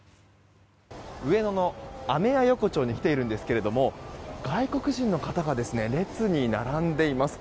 上野のアメ屋横丁に来ているんですが外国人の方が列に並んでいます。